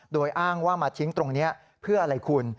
โดยอ้างว่ามาทิ้งตรงนี้เพื่ออะไรคุณ